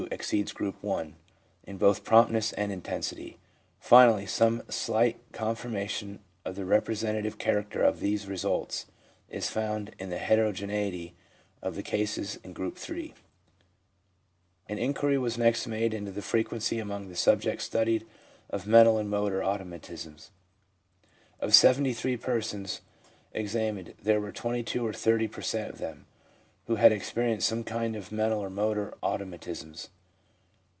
exceeds Group I. in both promptness and intensity. Finally, some slight con firmation of the representative character of these results is found in the heterogeneity of the cases in Group 1 11/ An inquiry was next made into the frequency among the subjects studied of mental and motor automatisms. Of 73 persons examined there were 22, or 30 per cent, of them, who had experienced some kind of mental or motor automatisms.